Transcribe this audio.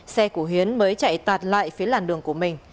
xe của hiến mới chạy tạt lại phía làn đường của mình